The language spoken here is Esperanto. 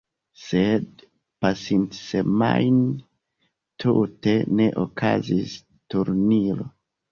Sed pasintsemajne tute ne okazis turniro.